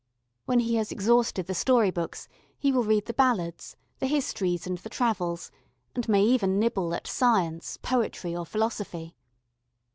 When he has exhausted the story books he will read the ballads, the histories and the travels, and may even nibble at science, poetry, or philosophy.